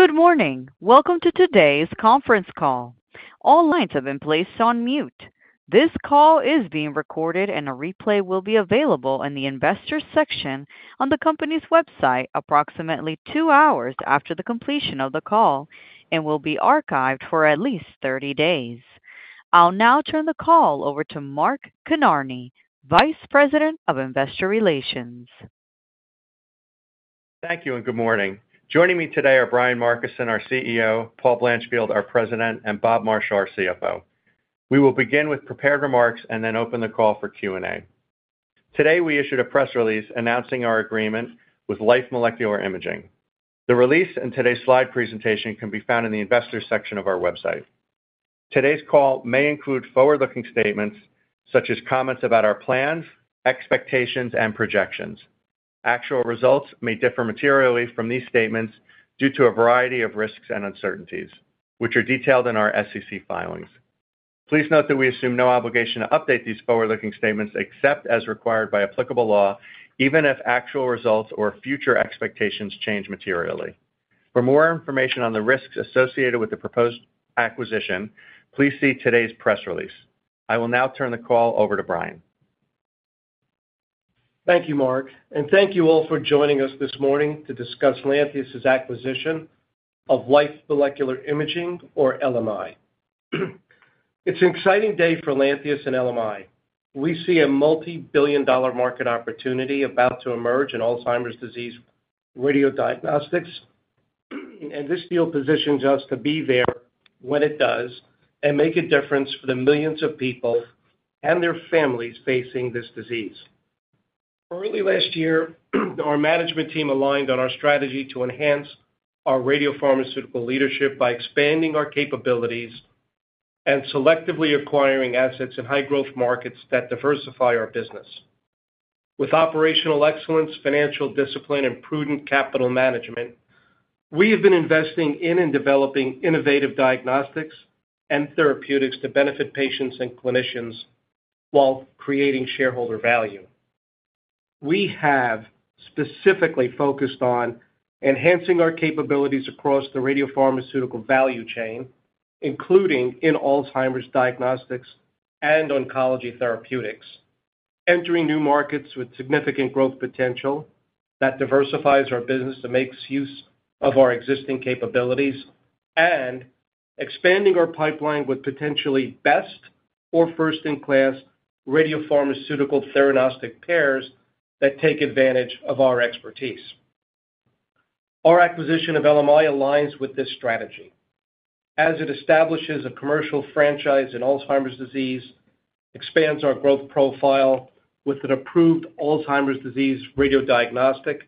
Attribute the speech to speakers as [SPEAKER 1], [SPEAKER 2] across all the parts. [SPEAKER 1] Good morning. Welcome to today's conference call. All lines have been placed on mute. This call is being recorded, and a replay will be available in the investor section on the company's website approximately two hours after the completion of the call and will be archived for at least 30 days. I'll now turn the call over to Mark Kinarney, Vice President of Investor Relations.
[SPEAKER 2] Thank you, and good morning. Joining me today are Brian Markison, our CEO, Paul Blanchfield, our President, and Bob Marshall, our CFO. We will begin with prepared remarks and then open the call for Q&A. Today, we issued a press release announcing our agreement with Life Molecular Imaging. The release and today's slide presentation can be found in the investor section of our website. Today's call may include forward-looking statements such as comments about our plans, expectations, and projections. Actual results may differ materially from these statements due to a variety of risks and uncertainties, which are detailed in our SEC filings. Please note that we assume no obligation to update these forward-looking statements except as required by applicable law, even if actual results or future expectations change materially. For more information on the risks associated with the proposed acquisition, please see today's press release. I will now turn the call over to Brian.
[SPEAKER 3] Thank you, Mark, and thank you all for joining us this morning to discuss Lantheus's acquisition of Life Molecular Imaging, or LMI. It's an exciting day for Lantheus and LMI. We see a multi-billion-dollar market opportunity about to emerge in Alzheimer's disease radiodiagnostics, and this deal positions us to be there when it does and make a difference for the millions of people and their families facing this disease. Early last year, our management team aligned on our strategy to enhance our radiopharmaceutical leadership by expanding our capabilities and selectively acquiring assets in high-growth markets that diversify our business. With operational excellence, financial discipline, and prudent capital management, we have been investing in and developing innovative diagnostics and therapeutics to benefit patients and clinicians while creating shareholder value. We have specifically focused on enhancing our capabilities across the radiopharmaceutical value chain, including in Alzheimer's diagnostics and oncology therapeutics, entering new markets with significant growth potential that diversifies our business and makes use of our existing capabilities, and expanding our pipeline with potentially best or first-in-class radiopharmaceutical theranostic pairs that take advantage of our expertise. Our acquisition of LMI aligns with this strategy as it establishes a commercial franchise in Alzheimer's disease, expands our growth profile with an approved Alzheimer's disease radiodiagnostic,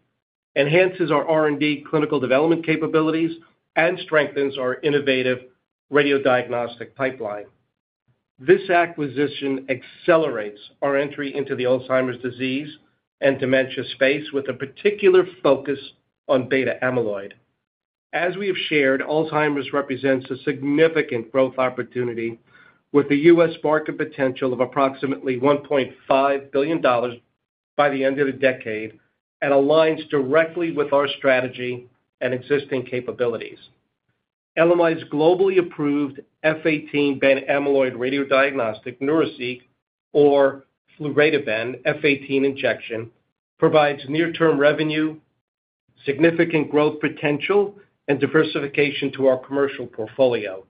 [SPEAKER 3] enhances our R&D clinical development capabilities, and strengthens our innovative radiodiagnostic pipeline. This acquisition accelerates our entry into the Alzheimer's disease and dementia space with a particular focus on beta-amyloid. As we have shared, Alzheimer's represents a significant growth opportunity with a U.S. market potential of approximately $1.5 billion by the end of the decade and aligns directly with our strategy and existing capabilities. LMI's globally approved F18 beta-amyloid radiodiagnostic Neuraceq, or Florbetaben F18 injection, provides near-term revenue, significant growth potential, and diversification to our commercial portfolio.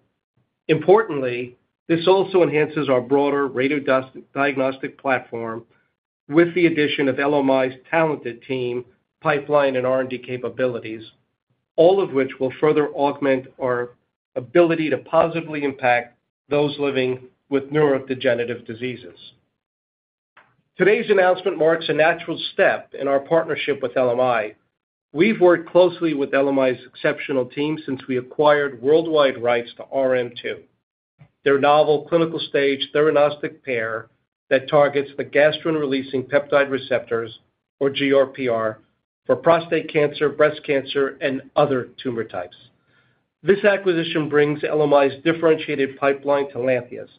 [SPEAKER 3] Importantly, this also enhances our broader radiodiagnostic platform with the addition of LMI's talented team, pipeline, and R&D capabilities, all of which will further augment our ability to positively impact those living with neurodegenerative diseases. Today's announcement marks a natural step in our partnership with LMI. We've worked closely with LMI's exceptional team since we acquired worldwide rights to RM2, their novel clinical-stage theranostic pair that targets the gastrin-releasing peptide receptors, or GRPR, for prostate cancer, breast cancer, and other tumor types. This acquisition brings LMI's differentiated pipeline to Lantheus,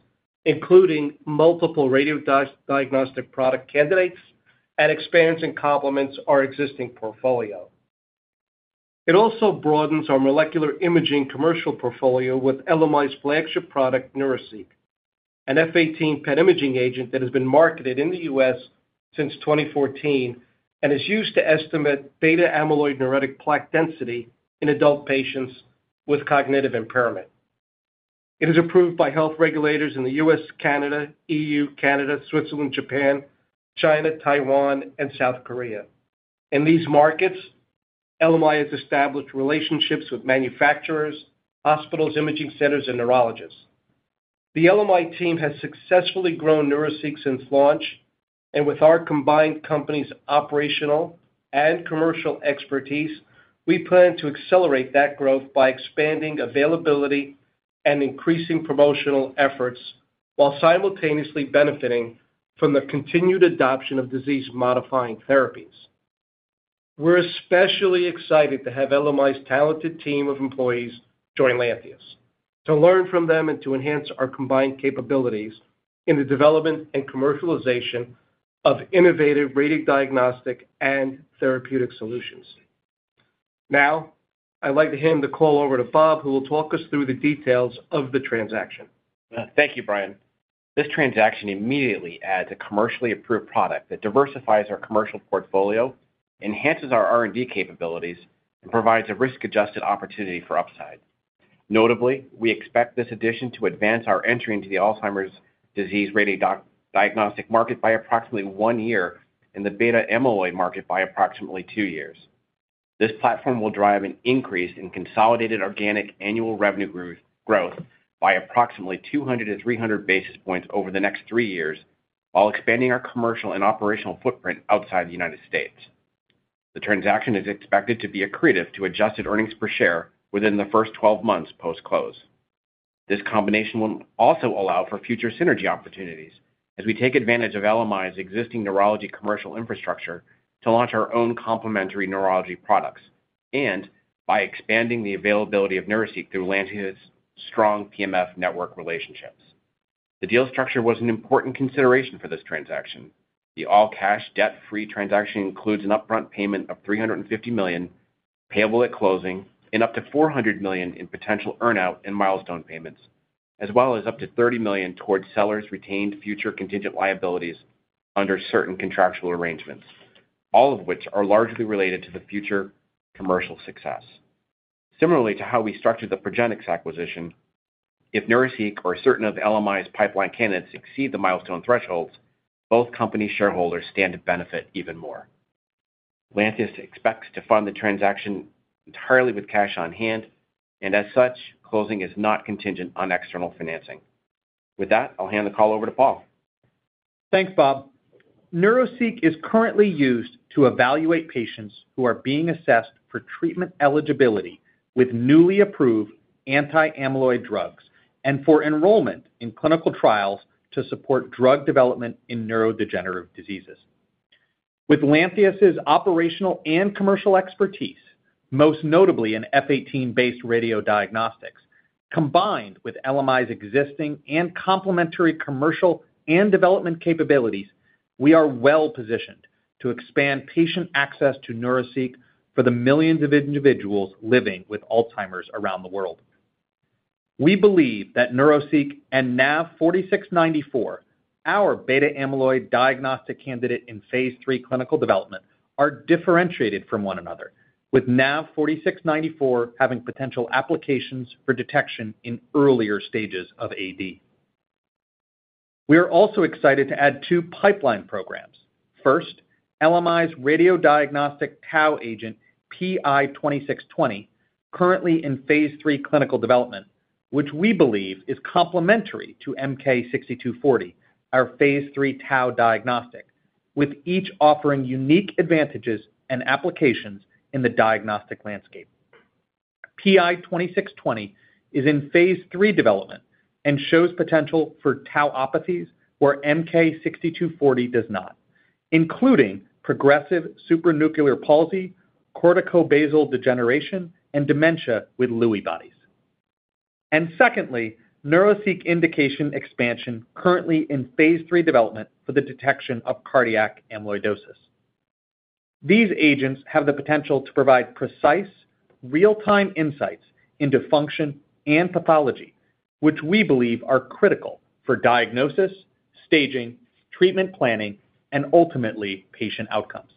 [SPEAKER 3] including multiple radiodiagnostic product candidates and expands and complements our existing portfolio. It also broadens our molecular imaging commercial portfolio with LMI's flagship product, Neuraceq, an F18 PET imaging agent that has been marketed in the U.S. Since 2014 and is used to estimate beta-amyloid neuritic plaque density in adult patients with cognitive impairment. It is approved by health regulators in the U.S., Canada, EU, Canada, Switzerland, Japan, China, Taiwan, and South Korea. In these markets, LMI has established relationships with manufacturers, hospitals, imaging centers, and neurologists. The LMI team has successfully grown Neuraceq since launch, and with our combined company's operational and commercial expertise, we plan to accelerate that growth by expanding availability and increasing promotional efforts while simultaneously benefiting from the continued adoption of disease-modifying therapies. We're especially excited to have LMI's talented team of employees join Lantheus, to learn from them and to enhance our combined capabilities in the development and commercialization of innovative radiodiagnostic and therapeutic solutions. Now, I'd like to hand the call over to Bob, who will talk us through the details of the transaction. Thank you, Brian. This transaction immediately adds a commercially approved product that diversifies our commercial portfolio, enhances our R&D capabilities, and provides a risk-adjusted opportunity for upside. Notably, we expect this addition to advance our entry into the Alzheimer's disease radiodiagnostic market by approximately one year and the beta-amyloid market by approximately two years. This platform will drive an increase in consolidated organic annual revenue growth by approximately 200 basis points to 300 basis points over the next three years while expanding our commercial and operational footprint outside the United States. The transaction is expected to be accretive to adjusted earnings per share within the first 12 months post-close. This combination will also allow for future synergy opportunities as we take advantage of LMI's existing neurology commercial infrastructure to launch our own complementary neurology products and by expanding the availability of Neuraceq through Lantheus's strong PMF network relationships. The deal structure was an important consideration for this transaction. The all-cash, debt-free transaction includes an upfront payment of $350 million payable at closing and up to $400 million in potential earnout and milestone payments, as well as up to $30 million towards sellers' retained future contingent liabilities under certain contractual arrangements, all of which are largely related to the future commercial success. Similarly to how we structured the Progenics acquisition, if Neuraceq or certain of LMI's pipeline candidates exceed the milestone thresholds, both company shareholders stand to benefit even more. Lantheus expects to fund the transaction entirely with cash on hand, and as such, closing is not contingent on external financing. With that, I'll hand the call over to Paul.
[SPEAKER 4] Thanks, Bob. Neuraceq is currently used to evaluate patients who are being assessed for treatment eligibility with newly approved anti-amyloid drugs and for enrollment in clinical trials to support drug development in neurodegenerative diseases. With Lantheus's operational and commercial expertise, most notably in F18-based radiodiagnostics, combined with LMI's existing and complementary commercial and development capabilities, we are well-positioned to expand patient access to Neuraceq for the millions of individuals living with Alzheimer's around the world. We believe that Neuraceq and NAV-4694, our beta-amyloid diagnostic candidate in phase III clinical development, are differentiated from one another, with NAV-4694 having potential applications for detection in earlier stages of AD. We are also excited to add two pipeline programs. First, LMI's radiodiagnostic tau agent PI-2620, currently in phase III clinical development, which we believe is complementary to MK-6240, our phase III tau diagnostic, with each offering unique advantages and applications in the diagnostic landscape. PI-2620 is in phase III development and shows potential for tauopathies where MK-6240 does not, including progressive supranuclear palsy, corticobasal degeneration, and dementia with Lewy bodies. Secondly, Neuraceq Indication Expansion is currently in phase III development for the detection of cardiac amyloidosis. These agents have the potential to provide precise, real-time insights into function and pathology, which we believe are critical for diagnosis, staging, treatment planning, and ultimately patient outcomes.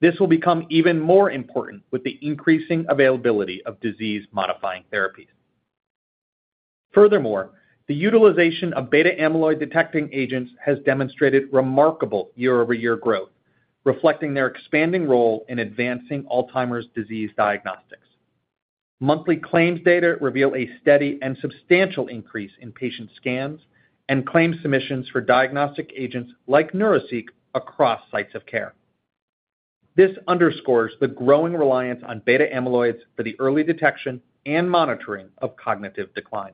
[SPEAKER 4] This will become even more important with the increasing availability of disease-modifying therapies. Furthermore, the utilization of beta-amyloid detecting agents has demonstrated remarkable year-over-year growth, reflecting their expanding role in advancing Alzheimer's disease diagnostics. Monthly claims data reveal a steady and substantial increase in patient scans and claim submissions for diagnostic agents like Neuraceq across sites of care. This underscores the growing reliance on beta-amyloids for the early detection and monitoring of cognitive decline.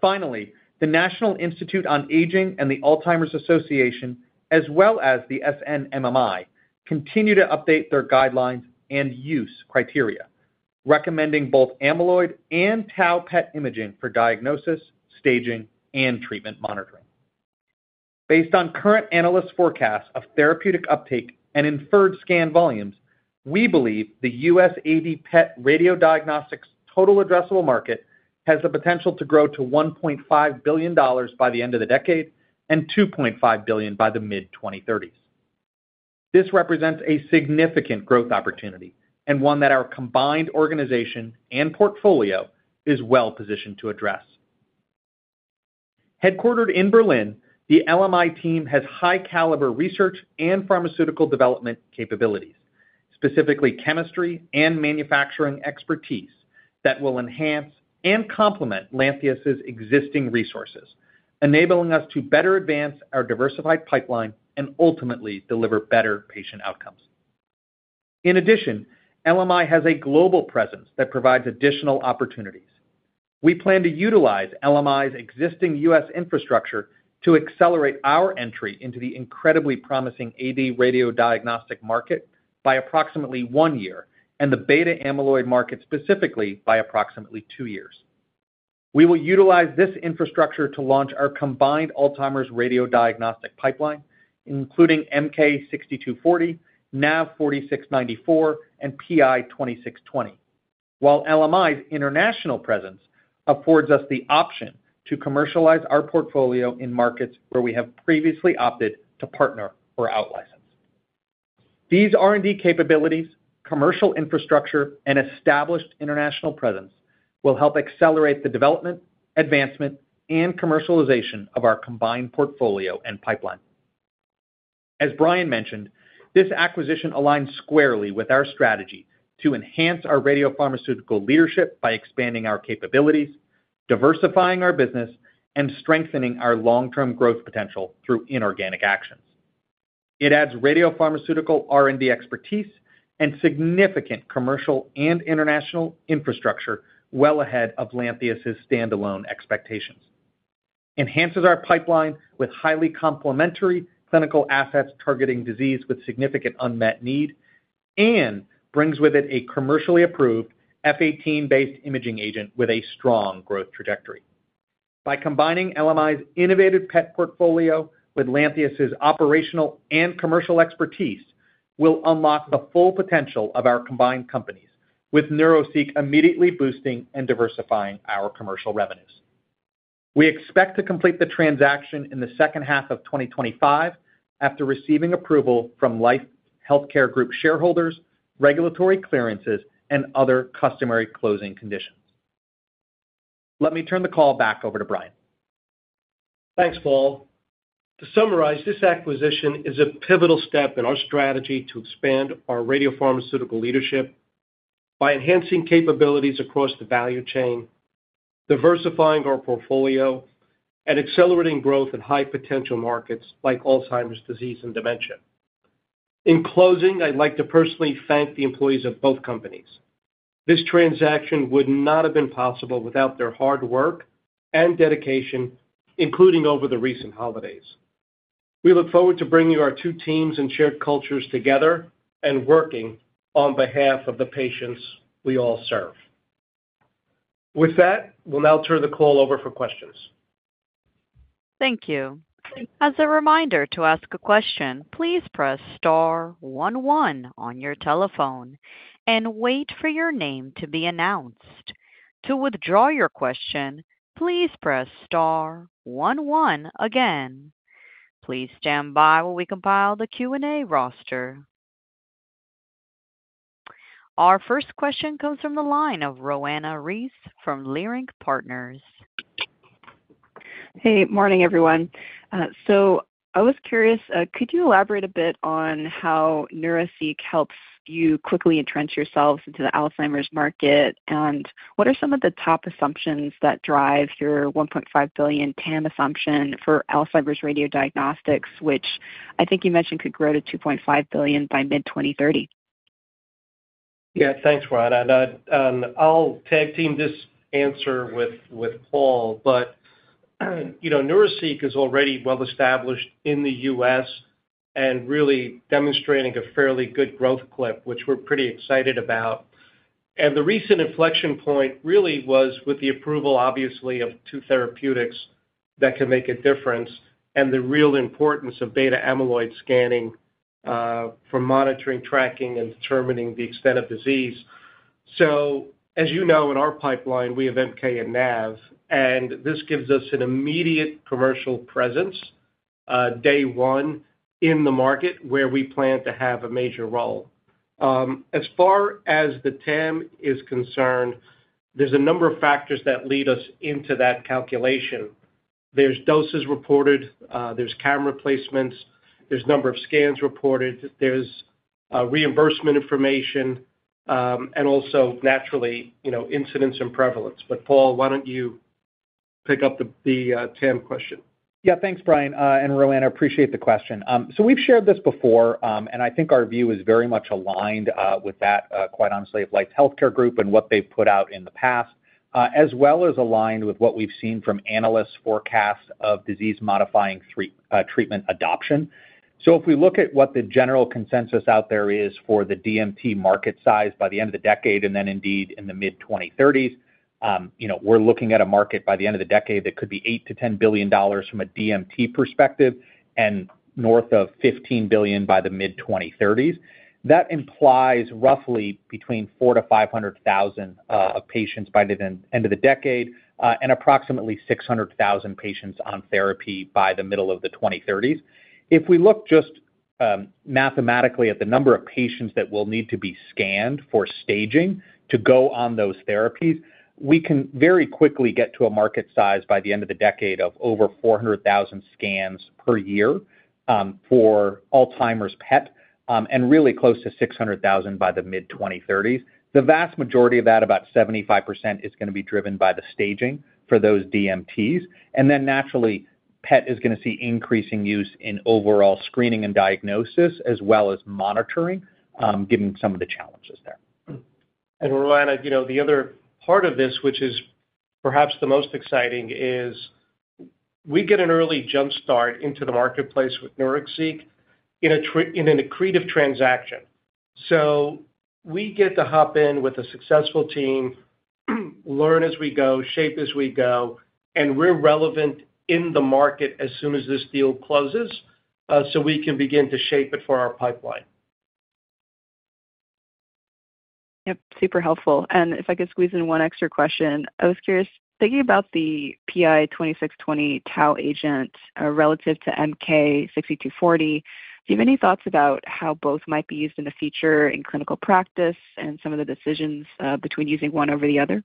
[SPEAKER 4] Finally, the National Institute on Aging and the Alzheimer's Association, as well as the SNMMI, continue to update their guidelines and use criteria, recommending both amyloid and tau PET imaging for diagnosis, staging, and treatment monitoring. Based on current analyst forecasts of therapeutic uptake and inferred scan volumes, we believe the U.S. AD PET radiodiagnostics total addressable market has the potential to grow to $1.5 billion by the end of the decade and $2.5 billion by the mid-2030s. This represents a significant growth opportunity and one that our combined organization and portfolio is well-positioned to address. Headquartered in Berlin, the LMI team has high-caliber research and pharmaceutical development capabilities, specifically chemistry and manufacturing expertise, that will enhance and complement Lantheus's existing resources, enabling us to better advance our diversified pipeline and ultimately deliver better patient outcomes. In addition, LMI has a global presence that provides additional opportunities. We plan to utilize LMI's existing U.S. infrastructure to accelerate our entry into the incredibly promising AD radiodiagnostic market by approximately one year and the beta-amyloid market specifically by approximately two years. We will utilize this infrastructure to launch our combined Alzheimer's radiodiagnostic pipeline, including MK-6240, NAV-4694, and PI-2620, while LMI's international presence affords us the option to commercialize our portfolio in markets where we have previously opted to partner or out-license. These R&D capabilities, commercial infrastructure, and established international presence will help accelerate the development, advancement, and commercialization of our combined portfolio and pipeline. As Brian mentioned, this acquisition aligns squarely with our strategy to enhance our radiopharmaceutical leadership by expanding our capabilities, diversifying our business, and strengthening our long-term growth potential through inorganic actions. It adds radiopharmaceutical R&D expertise and significant commercial and international infrastructure well ahead of Lantheus's standalone expectations, enhances our pipeline with highly complementary clinical assets targeting disease with significant unmet need, and brings with it a commercially approved F18-based imaging agent with a strong growth trajectory. By combining LMI's innovative PET portfolio with Lantheus's operational and commercial expertise, we'll unlock the full potential of our combined companies, with Neuraceq immediately boosting and diversifying our commercial revenues. We expect to complete the transaction in the second half of 2025 after receiving approval from Life Healthcare Group shareholders, regulatory clearances, and other customary closing conditions. Let me turn the call back over to Brian.
[SPEAKER 3] Thanks, Paul. To summarize, this acquisition is a pivotal step in our strategy to expand our radiopharmaceutical leadership by enhancing capabilities across the value chain, diversifying our portfolio, and accelerating growth in high-potential markets like Alzheimer's disease and dementia. In closing, I'd like to personally thank the employees of both companies. This transaction would not have been possible without their hard work and dedication, including over the recent holidays. We look forward to bringing our two teams and shared cultures together and working on behalf of the patients we all serve. With that, we'll now turn the call over for questions.
[SPEAKER 1] Thank you. As a reminder to ask a question, please press star one one on your telephone and wait for your name to be announced. To withdraw your question, please press star 11 again. Please stand by while we compile the Q&A roster. Our first question comes from the line of Roanna Ruiz from Leerink Partners.
[SPEAKER 5] Hey, morning, everyone. So I was curious, could you elaborate a bit on how Neuraceq helps you quickly entrench yourselves into the Alzheimer's market, and what are some of the top assumptions that drive your $1.5 billion TAM assumption for Alzheimer's radiodiagnostics, which I think you mentioned could grow to $2.5 billion by mid-2030?
[SPEAKER 3] Yeah, thanks, Roanna. And I'll tag team this answer with Paul, but Neuraceq is already well-established in the U.S. and really demonstrating a fairly good growth clip, which we're pretty excited about. And the recent inflection point really was with the approval, obviously, of two therapeutics that can make a difference and the real importance of beta-amyloid scanning for monitoring, tracking, and determining the extent of disease. So, as you know, in our pipeline, we have MK and NAV, and this gives us an immediate commercial presence day one in the market where we plan to have a major role. As far as the TAM is concerned, there's a number of factors that lead us into that calculation. There's doses reported, there's camera placements, there's a number of scans reported, there's reimbursement information, and also, naturally, incidence and prevalence. But Paul, why don't you pick up the TAM question?
[SPEAKER 4] Yeah, thanks, Brian, and Roanna. I appreciate the question. So we've shared this before, and I think our view is very much aligned with that, quite honestly, of Life Healthcare Group and what they've put out in the past, as well as aligned with what we've seen from analysts' forecasts of disease-modifying treatment adoption. So if we look at what the general consensus out there is for the DMT market size by the end of the decade and then indeed in the mid-2030s, we're looking at a market by the end of the decade that could be $8-$10 billion from a DMT perspective and north of $15 billion by the mid-2030s. That implies roughly between 400,000 to 500,000 patients by the end of the decade and approximately 600,000 patients on therapy by the middle of the 2030s. If we look just mathematically at the number of patients that will need to be scanned for staging to go on those therapies, we can very quickly get to a market size by the end of the decade of over 400,000 scans per year for Alzheimer's PET and really close to 600,000 by the mid-2030s. The vast majority of that, about 75%, is going to be driven by the staging for those DMTs, and then, naturally, PET is going to see increasing use in overall screening and diagnosis, as well as monitoring, given some of the challenges there.
[SPEAKER 3] Roanna, the other part of this, which is perhaps the most exciting, is we get an early jumpstart into the marketplace with Neuraceq in an accretive transaction, so we get to hop in with a successful team, learn as we go, shape as we go, and we're relevant in the market as soon as this deal closes so we can begin to shape it for our pipeline.
[SPEAKER 5] Yep, super helpful. And if I could squeeze in one extra question, I was curious, thinking about the PI-2620 tau agent relative to MK-6240, do you have any thoughts about how both might be used in the future in clinical practice and some of the decisions between using one over the other?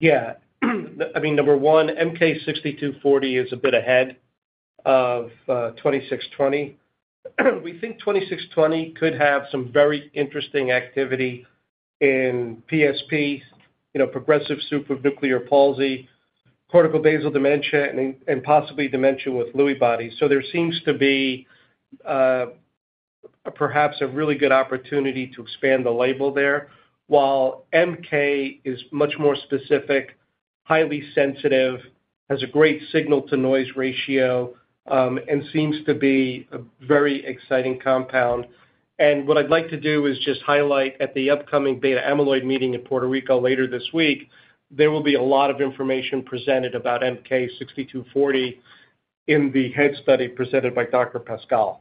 [SPEAKER 3] Yeah. I mean, number one, MK-6240 is a bit ahead of 2620. We think 2620 could have some very interesting activity in PSP, progressive supranuclear palsy, corticobasal degeneration, and possibly dementia with Lewy bodies. So there seems to be perhaps a really good opportunity to expand the label there, while MK is much more specific, highly sensitive, has a great signal-to-noise ratio, and seems to be a very exciting compound. And what I'd like to do is just highlight at the upcoming beta-amyloid meeting in Puerto Rico later this week, there will be a lot of information presented about MK-6240 in the head study presented by Dr. Pascoal.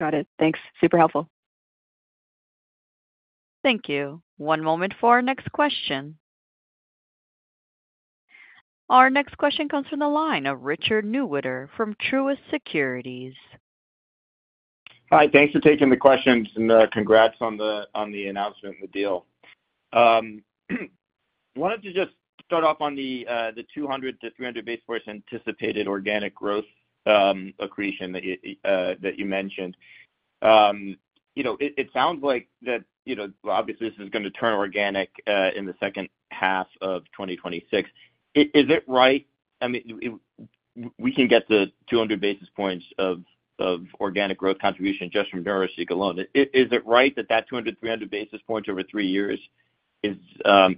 [SPEAKER 5] Got it. Thanks. Super helpful.
[SPEAKER 1] Thank you. One moment for our next question. Our next question comes from the line of Richard Newitter from Truist Securities.
[SPEAKER 6] Hi, thanks for taking the question and congrats on the announcement and the deal. I wanted to just start off on the 200 basis points-300 basis points anticipated organic growth accretion that you mentioned. It sounds like that, obviously, this is going to turn organic in the second half of 2026. Is it right? I mean, we can get the 200 basis points of organic growth contribution just from Neuraceq alone. Is it right that that 200 basis points-300 basis points over three years is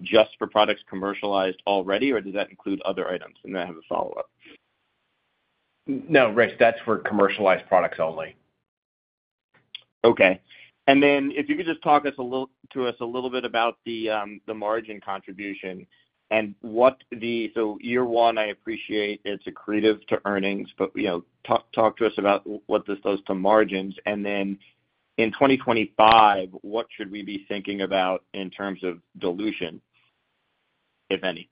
[SPEAKER 6] just for products commercialized already, or does that include other items? And I have a follow-up.
[SPEAKER 4] No, Rich, that's for commercialized products only.
[SPEAKER 6] Okay. And then if you could just talk to us a little bit about the margin contribution and what the—so year one, I appreciate it's accretive to earnings, but talk to us about what this does to margins. And then in 2025, what should we be thinking about in terms of dilution, if any?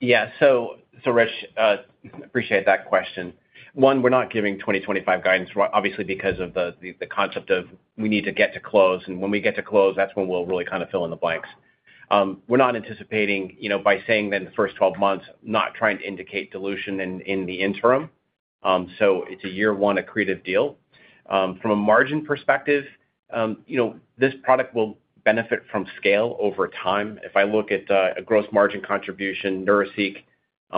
[SPEAKER 4] Yeah. So, Rich, I appreciate that question. One, we're not giving 2025 guidance, obviously, because of the concept of we need to get to close. And when we get to close, that's when we'll really kind of fill in the blanks. We're not anticipating, by saying then the first 12 months, not trying to indicate dilution in the interim. So it's a year one accretive deal. From a margin perspective, this product will benefit from scale over time. If I look at a gross margin contribution, Neuraceq,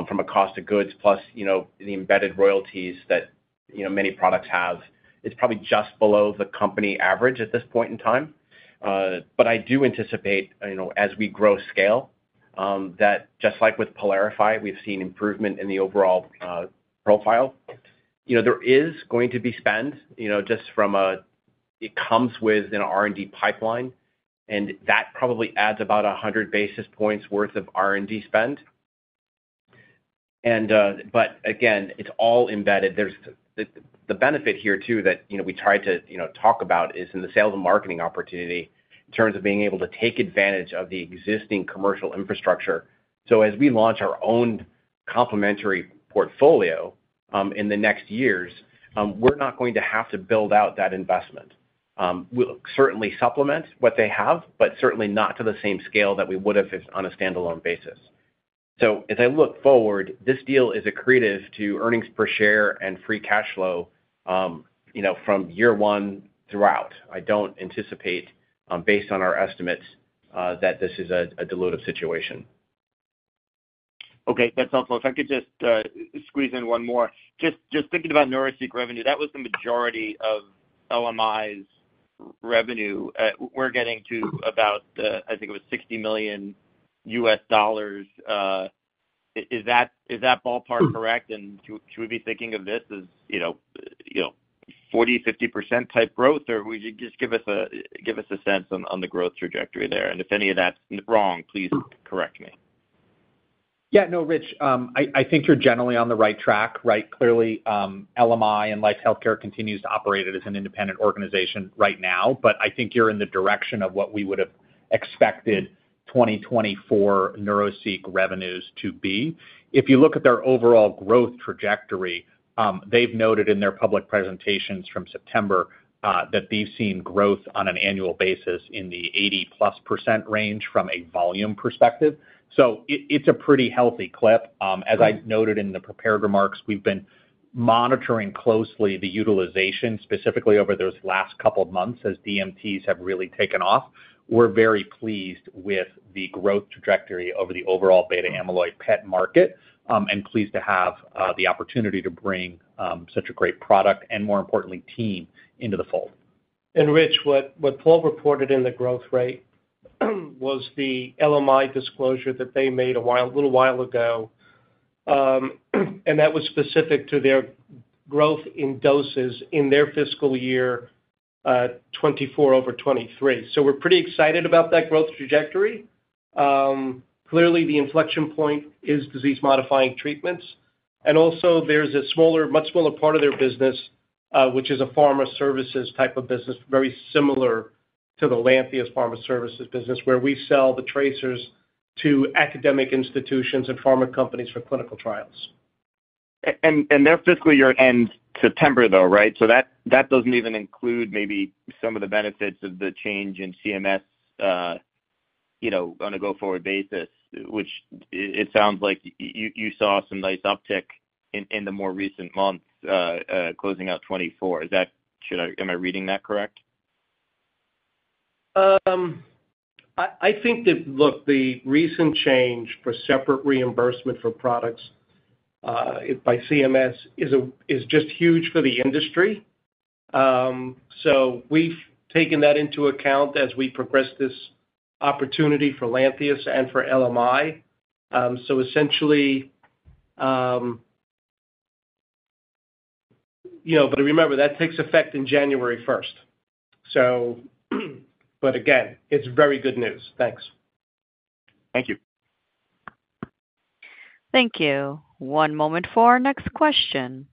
[SPEAKER 4] from a cost of goods plus the embedded royalties that many products have, it's probably just below the company average at this point in time. But I do anticipate, as we grow scale, that just like with Pylarify, we've seen improvement in the overall profile. There is going to be spend just from it comes with an R&D pipeline, and that probably adds about 100 basis points' worth of R&D spend. But again, it's all embedded. The benefit here, too, that we tried to talk about is in the sales and marketing opportunity in terms of being able to take advantage of the existing commercial infrastructure. So as we launch our own complementary portfolio in the next years, we're not going to have to build out that investment. We'll certainly supplement what they have, but certainly not to the same scale that we would have on a standalone basis. So as I look forward, this deal is accretive to earnings per share and free cash flow from year one throughout. I don't anticipate, based on our estimates, that this is a dilutive situation.
[SPEAKER 6] Okay. That's helpful. If I could just squeeze in one more. Just thinking about Neuraceq revenue, that was the majority of LMI's revenue. We're getting to about, I think it was $60 million. Is that ballpark correct? And should we be thinking of this as 40%-50% type growth, or would you just give us a sense on the growth trajectory there? And if any of that's wrong, please correct me.
[SPEAKER 4] Yeah. No, Rich, I think you're generally on the right track, right? Clearly, LMI and Life Healthcare continues to operate as an independent organization right now, but I think you're in the direction of what we would have expected 2024 Neuraceq revenues to be. If you look at their overall growth trajectory, they've noted in their public presentations from September that they've seen growth on an annual basis in the 80-plus% range from a volume perspective. So it's a pretty healthy clip. As I noted in the prepared remarks, we've been monitoring closely the utilization, specifically over those last couple of months as DMTs have really taken off. We're very pleased with the growth trajectory over the overall beta-amyloid PET market and pleased to have the opportunity to bring such a great product and, more importantly, team into the fold.
[SPEAKER 3] And Rich, what Paul reported in the growth rate was the LMI disclosure that they made a little while ago, and that was specific to their growth in doses in their fiscal year 2024 over 2023. So we're pretty excited about that growth trajectory. Clearly, the inflection point is disease-modifying treatments. And also, there's a much smaller part of their business, which is a pharma services type of business, very similar to the Lantheus Pharma Services business, where we sell the tracers to academic institutions and pharma companies for clinical trials.
[SPEAKER 6] Their fiscal year ends September, though, right? That doesn't even include maybe some of the benefits of the change in CMS on a go-forward basis, which it sounds like you saw some nice uptick in the more recent months closing out 2024. Am I reading that correct?
[SPEAKER 3] I think that, look, the recent change for separate reimbursement for products by CMS is just huge for the industry. So we've taken that into account as we progress this opportunity for Lantheus and for LMI. So essentially, but remember, that takes effect in January 1st. But again, it's very good news. Thanks.
[SPEAKER 6] Thank you.
[SPEAKER 1] Thank you. One moment for our next question.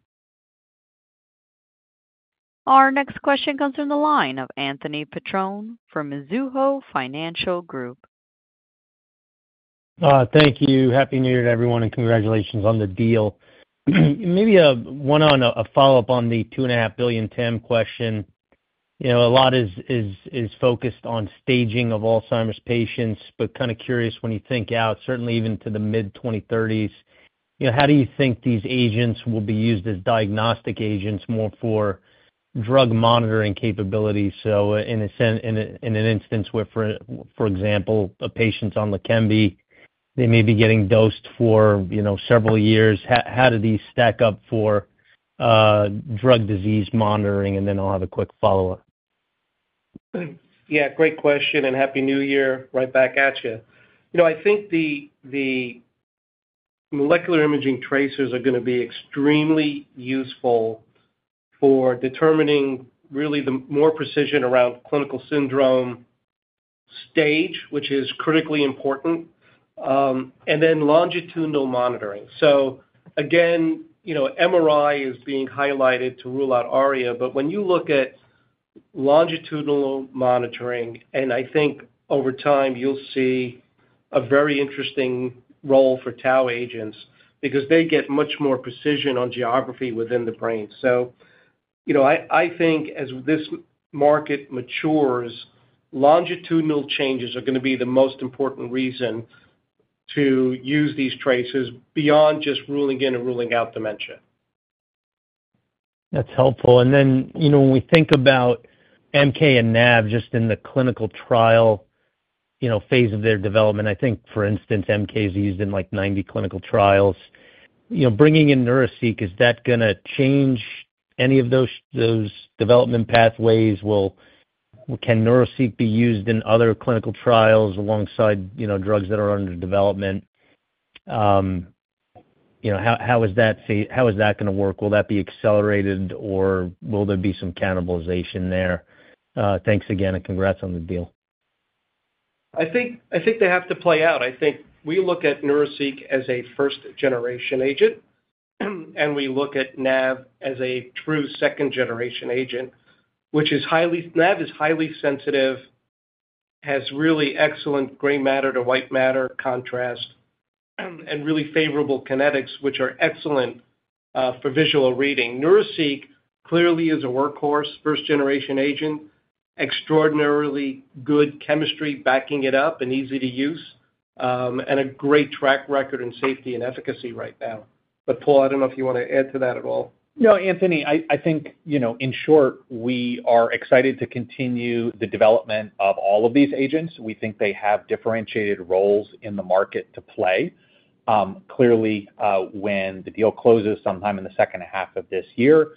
[SPEAKER 1] Our next question comes from the line of Anthony Petrone from Mizuho Financial Group.
[SPEAKER 7] Thank you. Happy New Year to everyone, and congratulations on the deal. Maybe one follow-up on the $2.5 billion TAM question. A lot is focused on staging of Alzheimer's patients, but kind of curious when you think out, certainly even to the mid-2030s, how do you think these agents will be used as diagnostic agents more for drug monitoring capabilities? So in an instance where, for example, a patient's on Leqembi, they may be getting dosed for several years, how do these stack up for drug disease monitoring? And then I'll have a quick follow-up.
[SPEAKER 3] Yeah. Great question, and happy New Year right back at you. I think the molecular imaging tracers are going to be extremely useful for determining really the more precision around clinical syndrome stage, which is critically important, and then longitudinal monitoring. So again, MRI is being highlighted to rule out ARIA, but when you look at longitudinal monitoring, and I think over time you'll see a very interesting role for tau agents because they get much more precision on geography within the brain. So I think as this market matures, longitudinal changes are going to be the most important reason to use these tracers beyond just ruling in and ruling out dementia.
[SPEAKER 7] That's helpful. And then when we think about MK and NAV just in the clinical trial phase of their development, I think, for instance, MK's used in like 90 clinical trials. Bringing in Neuraceq, is that going to change any of those development pathways? Can Neuraceq be used in other clinical trials alongside drugs that are under development? How is that going to work? Will that be accelerated, or will there be some cannibalization there? Thanks again, and congrats on the deal.
[SPEAKER 3] I think they have to play out. I think we look at Neuraceq as a first-generation agent, and we look at NAV as a true second-generation agent, which is highly, NAV is highly sensitive, has really excellent gray matter to white matter contrast, and really favorable kinetics, which are excellent for visual reading. Neuraceq clearly is a workhorse, first-generation agent, extraordinarily good chemistry backing it up and easy to use, and a great track record in safety and efficacy right now. But Paul, I don't know if you want to add to that at all.
[SPEAKER 4] No, Anthony, I think in short, we are excited to continue the development of all of these agents. We think they have differentiated roles in the market to play. Clearly, when the deal closes sometime in the second half of this year,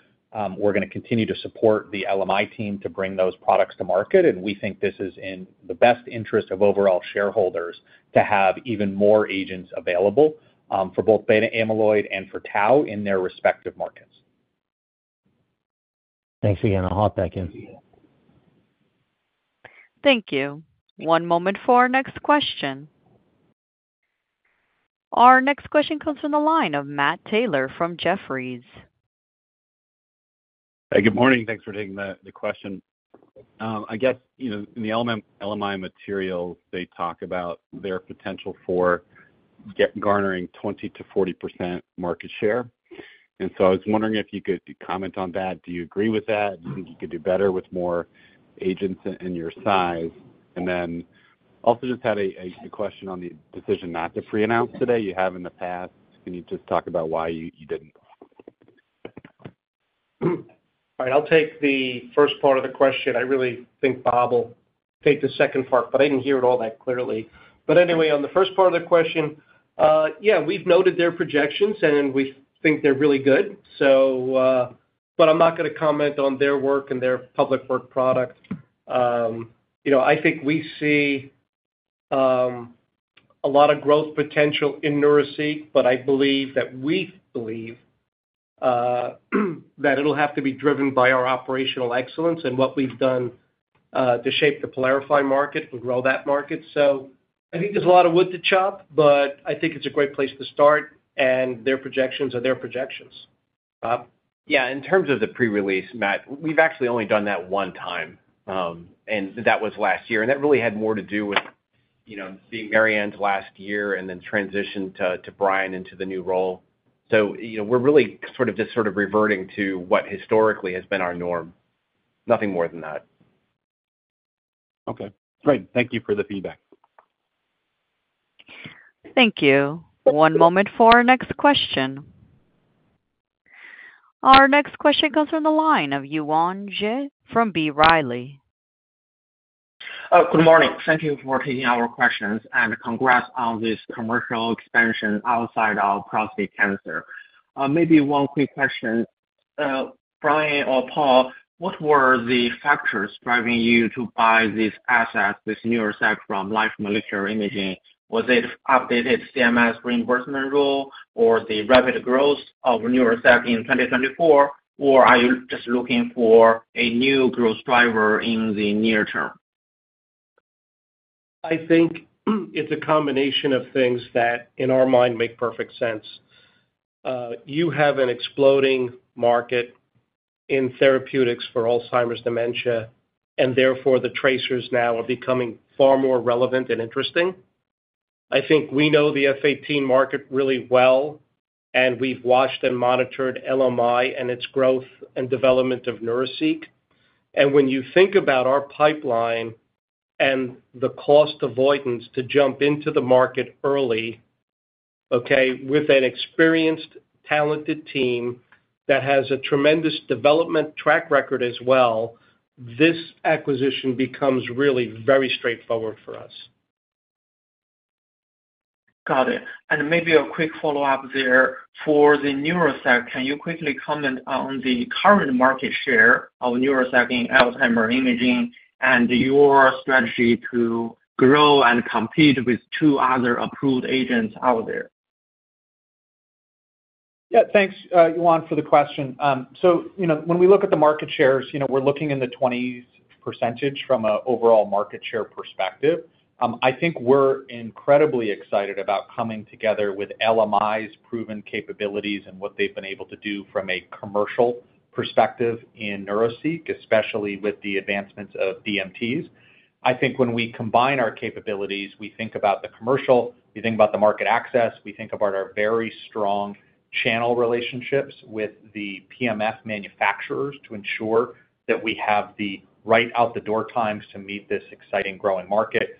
[SPEAKER 4] we're going to continue to support the LMI team to bring those products to market, and we think this is in the best interest of overall shareholders to have even more agents available for both beta-amyloid and for tau in their respective markets.
[SPEAKER 7] Thanks again. I'll hop back in.
[SPEAKER 1] Thank you. One moment for our next question. Our next question comes from the line of Matt Taylor from Jefferies.
[SPEAKER 8] Hey, good morning. Thanks for taking the question. I guess in the LMI materials, they talk about their potential for garnering 20%-40% market share. And so I was wondering if you could comment on that. Do you agree with that? Do you think you could do better with more agents in your size? And then also just had a question on the decision not to pre-announce today. You have in the past. Can you just talk about why you didn't?
[SPEAKER 4] All right. I'll take the first part of the question. I really think Bob will take the second part, but I didn't hear it all that clearly. But anyway, on the first part of the question, yeah, we've noted their projections, and we think they're really good. But I'm not going to comment on their work and their public work product. I think we see a lot of growth potential in Neuraceq, but I believe that we believe that it'll have to be driven by our operational excellence and what we've done to shape the Pylarify market and grow that market. So I think there's a lot of wood to chop, but I think it's a great place to start, and their projections are their projections.
[SPEAKER 9] Yeah. In terms of the pre-release, Matt, we've actually only done that one time, and that was last year, and that really had more to do with being Mary Anne's last year and then transition to Brian into the new role, so we're really sort of just sort of reverting to what historically has been our norm. Nothing more than that.
[SPEAKER 7] Okay. Great. Thank you for the feedback.
[SPEAKER 1] Thank you. One moment for our next question. Our next question comes from the line of Yuan Zhi from B. Riley.
[SPEAKER 10] Good morning. Thank you for taking our questions and congrats on this commercial expansion outside of prostate cancer. Maybe one quick question, Brian or Paul, what were the factors driving you to buy this asset, this Neuraceq from Life Molecular Imaging? Was it updated CMS reimbursement rule or the rapid growth of Neuraceq in 2024, or are you just looking for a new growth driver in the near term?
[SPEAKER 3] I think it's a combination of things that in our mind make perfect sense. You have an exploding market in therapeutics for Alzheimer's dementia, and therefore the tracers now are becoming far more relevant and interesting. I think we know the F18 market really well, and we've watched and monitored LMI and its growth and development of Neuraceq, and when you think about our pipeline and the cost avoidance to jump into the market early, okay, with an experienced, talented team that has a tremendous development track record as well, this acquisition becomes really very straightforward for us.
[SPEAKER 10] Got it. And maybe a quick follow-up there. For the Neuraceq, can you quickly comment on the current market share of Neuraceq in Alzheimer's imaging and your strategy to grow and compete with two other approved agents out there?
[SPEAKER 4] Yeah. Thanks, Yuan, for the question. So when we look at the market shares, we're looking in the 20% from an overall market share perspective. I think we're incredibly excited about coming together with LMI's proven capabilities and what they've been able to do from a commercial perspective in Neuraceq, especially with the advancements of DMTs. I think when we combine our capabilities, we think about the commercial, we think about the market access, we think about our very strong channel relationships with the PMF manufacturers to ensure that we have the right out-the-door times to meet this exciting growing market,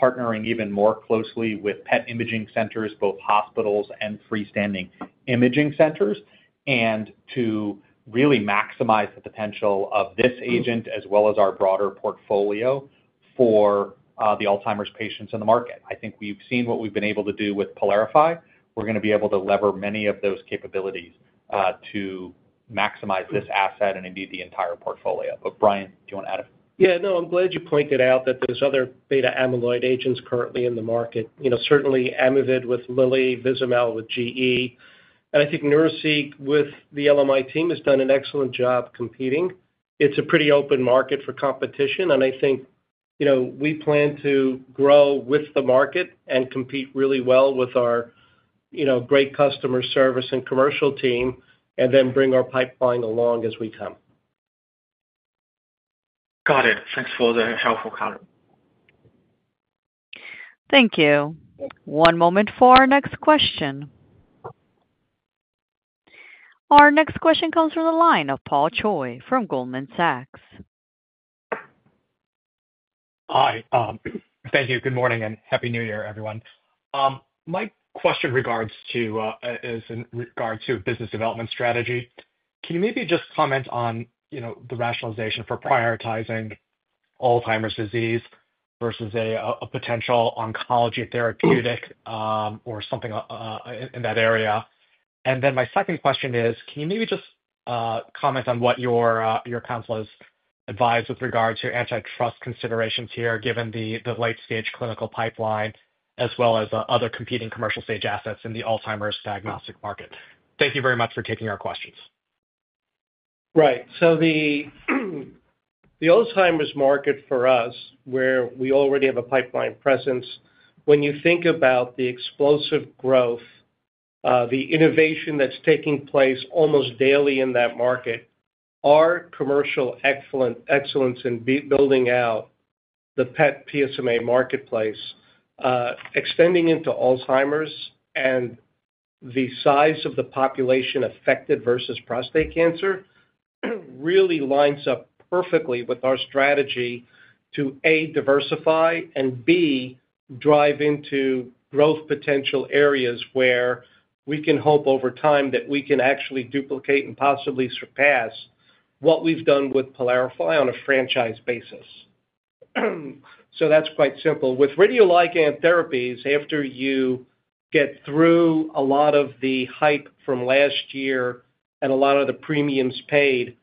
[SPEAKER 4] partnering even more closely with PET imaging centers, both hospitals and freestanding imaging centers, and to really maximize the potential of this agent as well as our broader portfolio for the Alzheimer's patients in the market. I think we've seen what we've been able to do with Pylarify. We're going to be able to leverage many of those capabilities to maximize this asset and indeed the entire portfolio. But Brian, do you want to add?
[SPEAKER 3] Yeah. No, I'm glad you pointed out that there's other beta-amyloid agents currently in the market. Certainly Amyvid with Lilly, Vizamyl with GE. And I think Neuraceq with the LMI team has done an excellent job competing. It's a pretty open market for competition, and I think we plan to grow with the market and compete really well with our great customer service and commercial team and then bring our pipeline along as we come.
[SPEAKER 10] Got it. Thanks for the helpful comment.
[SPEAKER 1] Thank you. One moment for our next question. Our next question comes from the line of Paul Choi from Goldman Sachs.
[SPEAKER 11] Hi. Thank you. Good morning and happy New Year, everyone. My question is in regard to business development strategy. Can you maybe just comment on the rationalization for prioritizing Alzheimer's disease versus a potential oncology therapeutic or something in that area? And then my second question is, can you maybe just comment on what your counsel has advised with regard to antitrust considerations here, given the late-stage clinical pipeline as well as other competing commercial-stage assets in the Alzheimer's diagnostic market? Thank you very much for taking our questions.
[SPEAKER 3] Right. So the Alzheimer's market for us, where we already have a pipeline presence, when you think about the explosive growth, the innovation that's taking place almost daily in that market, our commercial excellence in building out the PET PSMA marketplace, extending into Alzheimer's and the size of the population affected versus prostate cancer really lines up perfectly with our strategy to, A, diversify, and, B, drive into growth potential areas where we can hope over time that we can actually duplicate and possibly surpass what we've done with Pylarify on a franchise basis. So that's quite simple. With radioligand therapies, after you get through a lot of the hype from last year and a lot of the premiums paid,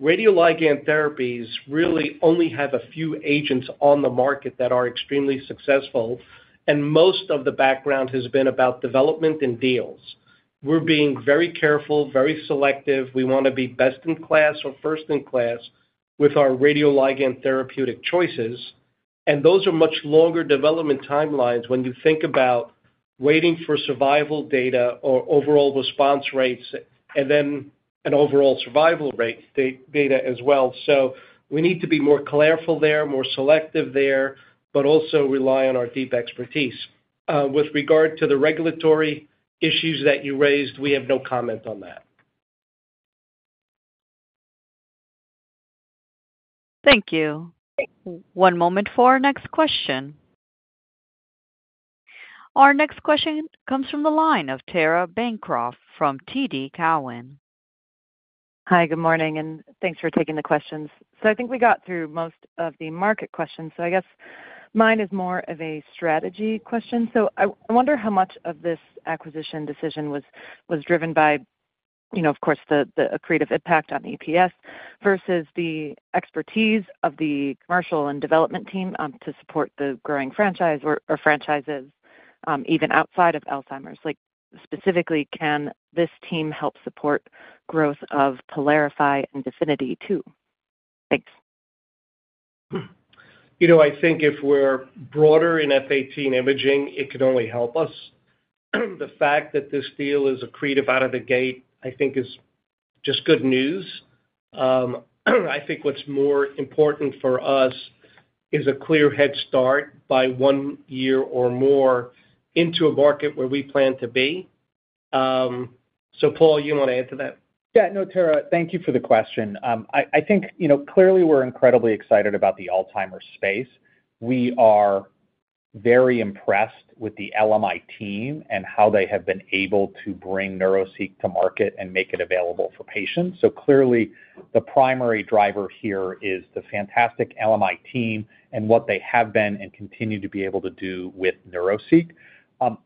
[SPEAKER 3] radioligand therapies really only have a few agents on the market that are extremely successful, and most of the background has been about development and deals. We're being very careful, very selective. We want to be best in class or first in class with our radioligand therapeutic choices, and those are much longer development timelines when you think about waiting for survival data or overall response rates and then an overall survival rate data as well, so we need to be more careful there, more selective there, but also rely on our deep expertise. With regard to the regulatory issues that you raised, we have no comment on that.
[SPEAKER 1] Thank you. One moment for our next question. Our next question comes from the line of Tara Bancroft from TD Cowen.
[SPEAKER 12] Hi, good morning, and thanks for taking the questions. So I think we got through most of the market questions. So I guess mine is more of a strategy question. So I wonder how much of this acquisition decision was driven by, of course, the accretive impact on EPS versus the expertise of the commercial and development team to support the growing franchise or franchises even outside of Alzheimer's. Specifically, can this team help support growth of Pylarify and DEFINITY too? Thanks.
[SPEAKER 3] I think if we're broader in F18 imaging, it could only help us. The fact that this deal is great out of the gate, I think, is just good news. I think what's more important for us is a clear head start by one year or more into a market where we plan to be. So Paul, you want to answer that?
[SPEAKER 4] Yeah. No, Tara, thank you for the question. I think clearly we're incredibly excited about the Alzheimer's space. We are very impressed with the LMI team and how they have been able to bring Neuraceq to market and make it available for patients. So clearly, the primary driver here is the fantastic LMI team and what they have been and continue to be able to do with Neuraceq.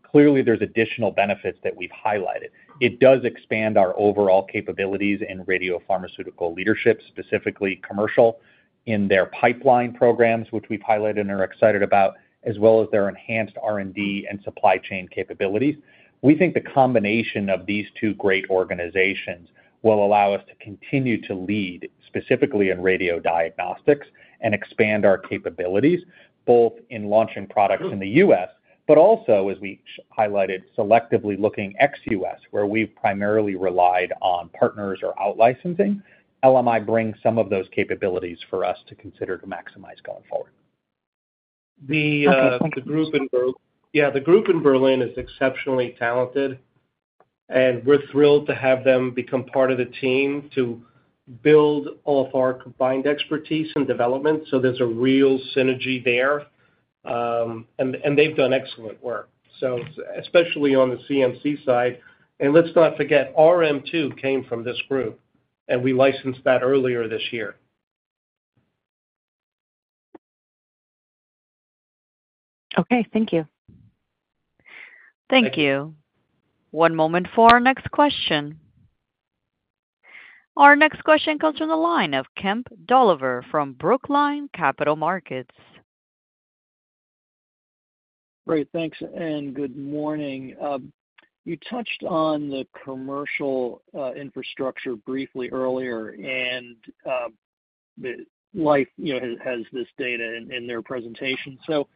[SPEAKER 4] Clearly, there's additional benefits that we've highlighted. It does expand our overall capabilities in radiopharmaceutical leadership, specifically commercial, in their pipeline programs, which we've highlighted and are excited about, as well as their enhanced R&D and supply chain capabilities. We think the combination of these two great organizations will allow us to continue to lead, specifically in radiodiagnostics, and expand our capabilities both in launching products in the U.S., but also, as we highlighted, selectively looking ex-U.S., where we've primarily relied on partners or outlicensing. LMI brings some of those capabilities for us to consider to maximize going forward.
[SPEAKER 3] The group in Berlin is exceptionally talented, and we're thrilled to have them become part of the team to build off our combined expertise and development. So there's a real synergy there, and they've done excellent work, especially on the CMC side. And let's not forget, RM2 came from this group, and we licensed that earlier this year.
[SPEAKER 1] Okay. Thank you. Thank you. One moment for our next question. Our next question comes from the line of Kemp Dolliver from Brookline Capital Markets.
[SPEAKER 13] Great. Thanks. And good morning. You touched on the commercial infrastructure briefly earlier, and Life has this data in their presentation. So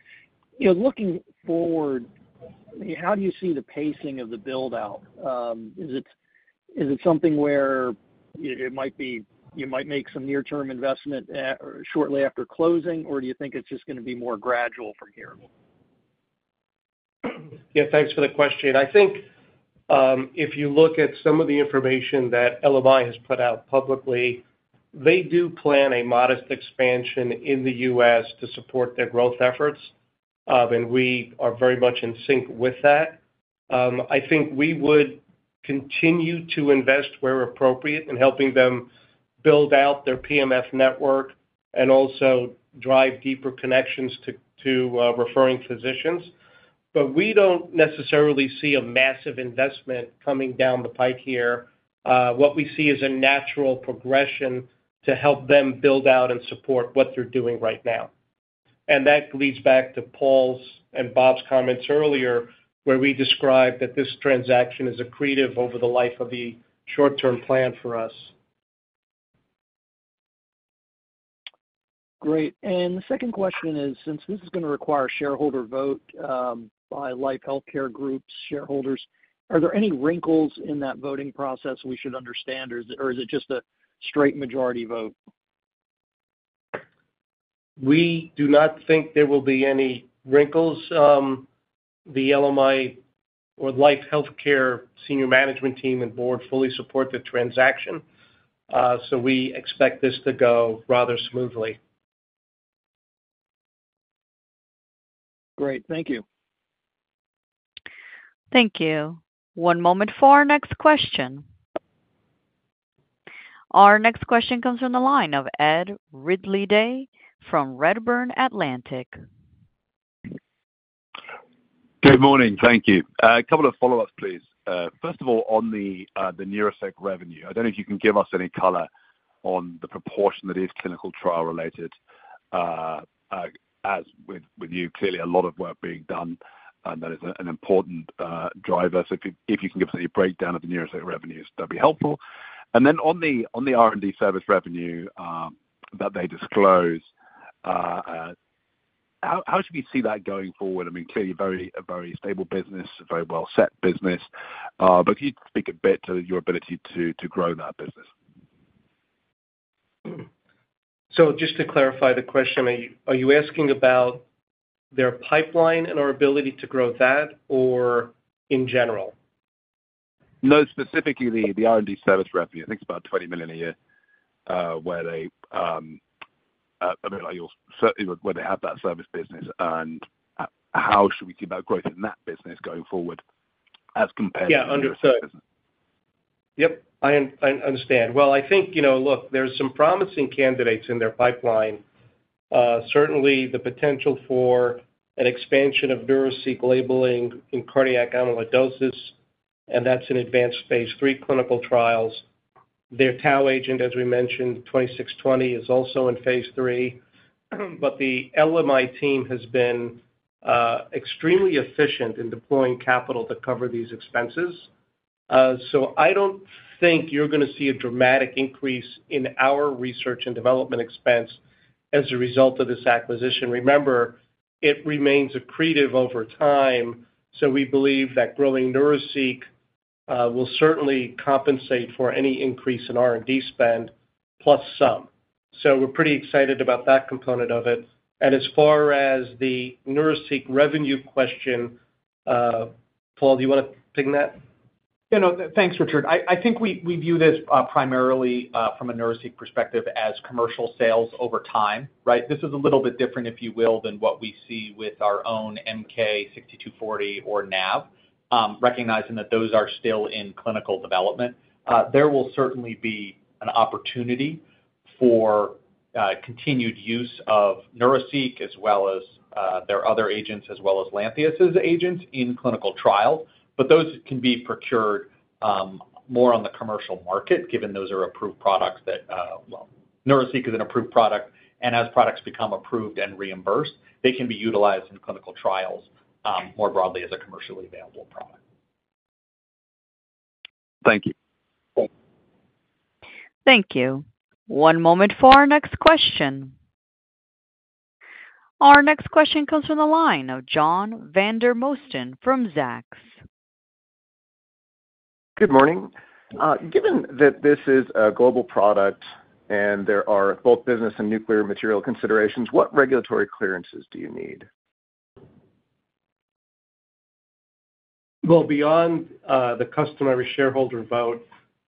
[SPEAKER 13] looking forward, how do you see the pacing of the build-out? Is it something where it might be, you might make some near-term investment shortly after closing, or do you think it's just going to be more gradual from here?
[SPEAKER 3] Yeah. Thanks for the question. I think if you look at some of the information that LMI has put out publicly, they do plan a modest expansion in the U.S. to support their growth efforts, and we are very much in sync with that. I think we would continue to invest where appropriate in helping them build out their PMF network and also drive deeper connections to referring physicians. But we don't necessarily see a massive investment coming down the pike here. What we see is a natural progression to help them build out and support what they're doing right now, and that leads back to Paul's and Bob's comments earlier where we described that this transaction is accretive over the life of the short-term plan for us. Great. And the second question is, since this is going to require a shareholder vote by Life Healthcare Group's shareholders, are there any wrinkles in that voting process we should understand, or is it just a straight majority vote? We do not think there will be any wrinkles. The LMI or Life Healthcare senior management team and board fully support the transaction, so we expect this to go rather smoothly.
[SPEAKER 13] Great. Thank you.
[SPEAKER 1] Thank you. One moment for our next question. Our next question comes from the line of Ed Ridley-Day from Redburn Atlantic.
[SPEAKER 14] Good morning. Thank you. A couple of follow-ups, please. First of all, on the Neuraceq revenue, I don't know if you can give us any color on the proportion that is clinical trial related, as with you, clearly a lot of work being done, and that is an important driver. So if you can give us a breakdown of the Neuraceq revenues, that'd be helpful. And then on the R&D service revenue that they disclose, how should we see that going forward? I mean, clearly a very stable business, a very well-set business. But can you speak a bit to your ability to grow that business?
[SPEAKER 3] So just to clarify the question, are you asking about their pipeline and our ability to grow that or in general?
[SPEAKER 14] No, specifically the R&D service revenue. I think it's about $20 million a year where they have that service business. And how should we see that growth in that business going forward as compared to the other business?
[SPEAKER 3] Yeah. Understood. Yep. I understand. Well, I think, look, there's some promising candidates in their pipeline. Certainly, the potential for an expansion of Neuraceq labeling in cardiac amyloidosis, and that's in advanced phaseIII clinical trials. Their tau agent, as we mentioned, 2620, is also in phase III. But the LMI team has been extremely efficient in deploying capital to cover these expenses. So I don't think you're going to see a dramatic increase in our research and development expense as a result of this acquisition. Remember, it remains accretive over time. So we believe that growing Neuraceq will certainly compensate for any increase in R&D spend plus some. So we're pretty excited about that component of it. And as far as the Neuraceq revenue question, Paul, do you want to ping that?
[SPEAKER 4] Yeah. No. Thanks, Richard. I think we view this primarily from a Neuraceq perspective as commercial sales over time, right? This is a little bit different, if you will, than what we see with our own MK-6240 or NAV, recognizing that those are still in clinical development. There will certainly be an opportunity for continued use of Neuraceq as well as their other agents as well as Lantheus's agents in clinical trials. But those can be procured more on the commercial market, given those are approved products that, well, Neuraceq is an approved product. And as products become approved and reimbursed, they can be utilized in clinical trials more broadly as a commercially available product.
[SPEAKER 14] Thank you.
[SPEAKER 1] Thank you. One moment for our next question. Our next question comes from the line of John Vandermosten from Zacks.
[SPEAKER 15] Good morning. Given that this is a global product and there are both business and nuclear material considerations, what regulatory clearances do you need?
[SPEAKER 3] Beyond the customary shareholder vote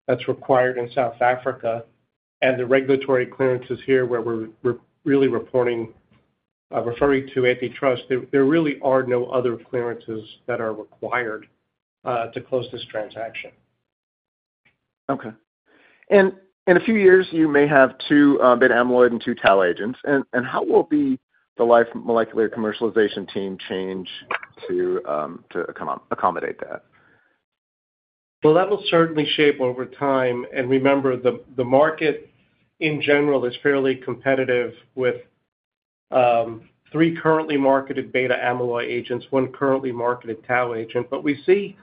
[SPEAKER 3] that's required in South Africa and the regulatory clearances here where we're really referring to antitrust, there really are no other clearances that are required to close this transaction.
[SPEAKER 15] Okay. And in a few years, you may have two beta-amyloid and two tau agents. And how will the Life Molecular Commercialization team change to accommodate that?
[SPEAKER 3] That will certainly shape over time. And remember, the market in general is fairly competitive with three currently marketed beta-amyloid agents, one currently marketed tau agent. But we see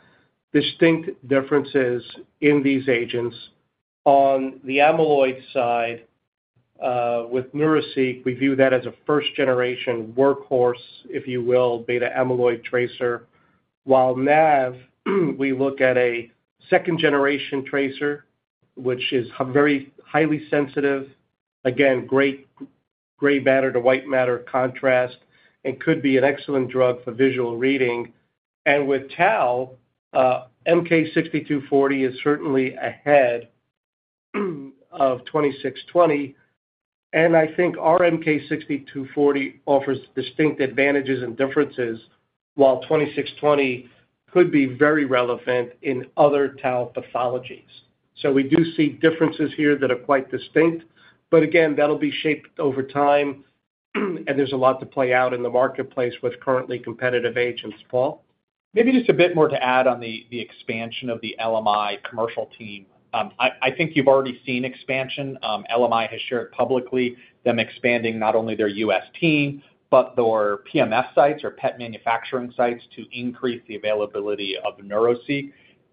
[SPEAKER 3] distinct differences in these agents. On the amyloid side with Neuraceq, we view that as a first-generation workhorse, if you will, beta-amyloid tracer. While NAV, we look at a second-generation tracer, which is very highly sensitive, again, great gray matter to white matter contrast, and could be an excellent drug for visual reading. And with tau, MK-6240 is certainly ahead of 2620. And I think our MK-6240 offers distinct advantages and differences, while 2620 could be very relevant in other tau pathologies. We do see differences here that are quite distinct. But again, that'll be shaped over time, and there's a lot to play out in the marketplace with currently competitive agents. Paul?
[SPEAKER 4] Maybe just a bit more to add on the expansion of the LMI commercial team. I think you've already seen expansion. LMI has shared publicly them expanding not only their U.S. team, but their PMF sites or PET manufacturing sites to increase the availability of Neuraceq,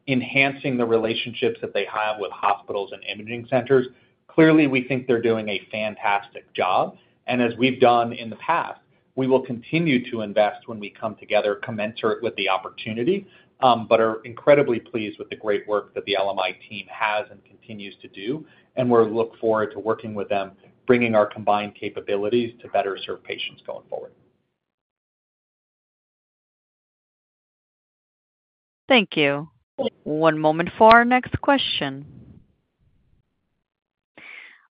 [SPEAKER 4] enhancing the relationships that they have with hospitals and imaging centers. Clearly, we think they're doing a fantastic job, and as we've done in the past, we will continue to invest when we come together, commensurate with the opportunity, but are incredibly pleased with the great work that the LMI team has and continues to do, and we're looking forward to working with them, bringing our combined capabilities to better serve patients going forward.
[SPEAKER 1] Thank you. One moment for our next question.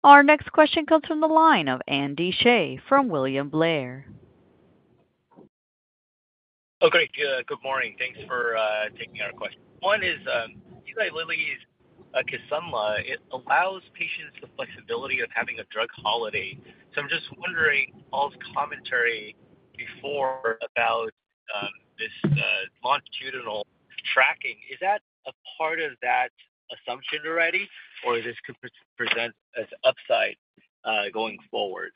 [SPEAKER 1] Our next question comes from the line of Andy Hsieh from William Blair.
[SPEAKER 16] Oh, great. Good morning. Thanks for taking our question. One is Eli Lilly's Kisunla, it allows patients the flexibility of having a drug holiday. So I'm just wondering Paul's commentary before about this longitudinal tracking. Is that a part of that assumption already, or this could present as upside going forward?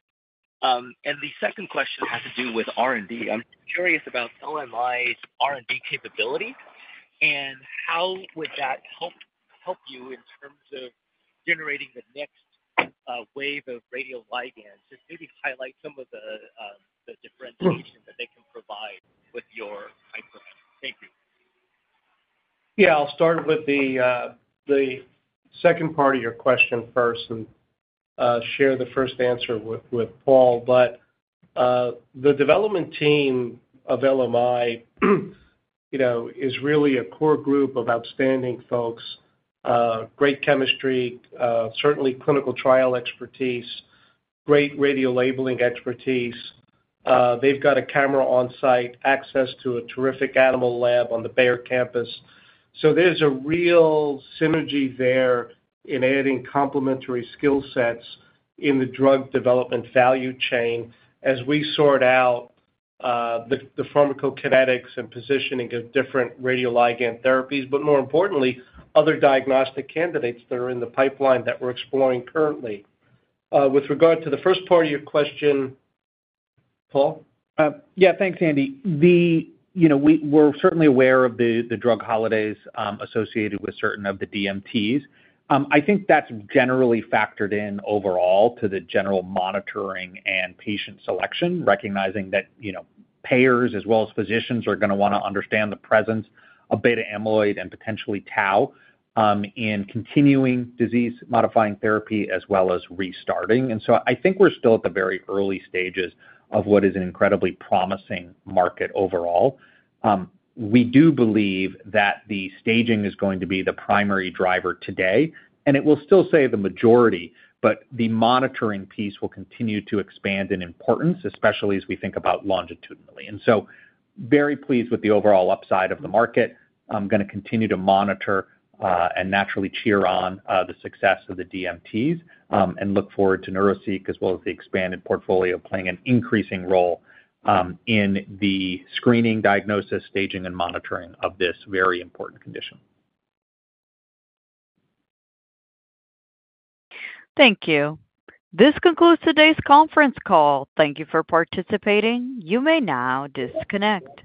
[SPEAKER 16] And the second question has to do with R&D. I'm curious about LMI's R&D capability and how would that help you in terms of generating the next wave of radioligands? Just maybe highlight some of the differentiation that they can provide with your pipeline. Thank you.
[SPEAKER 3] Yeah. I'll start with the second part of your question first and share the first answer with Paul. But the development team of LMI is really a core group of outstanding folks, great chemistry, certainly clinical trial expertise, great radiolabeling expertise. They've got a cyclotron on-site, access to a terrific animal lab on the Bayer campus. So there's a real synergy there in adding complementary skill sets in the drug development value chain as we sort out the pharmacokinetics and positioning of different radioligand therapies, but more importantly, other diagnostic candidates that are in the pipeline that we're exploring currently. With regard to the first part of your question, Paul?
[SPEAKER 4] Yeah. Thanks, Andy. We're certainly aware of the drug holidays associated with certain of the DMTs. I think that's generally factored in overall to the general monitoring and patient selection, recognizing that payers as well as physicians are going to want to understand the presence of beta-amyloid and potentially tau in continuing disease-modifying therapy as well as restarting. And so I think we're still at the very early stages of what is an incredibly promising market overall. We do believe that the staging is going to be the primary driver today. And it will still say the majority, but the monitoring piece will continue to expand in importance, especially as we think about longitudinally. And so very pleased with the overall upside of the market. I'm going to continue to monitor and naturally cheer on the success of the DMTs and look forward to Neuraceq as well as the expanded portfolio playing an increasing role in the screening, diagnosis, staging, and monitoring of this very important condition.
[SPEAKER 1] Thank you. This concludes today's conference call. Thank you for participating. You may now disconnect.